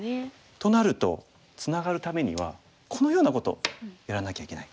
となるとツナがるためにはこのようなことやらなきゃいけない。